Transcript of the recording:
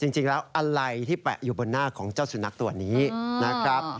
จริงแล้วอะไรที่แปะอยู่บนหน้าของเจ้าสุนัขตัวนี้นะครับ